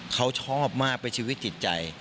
เขาชอบมากเป็นชีวิตจิตใจ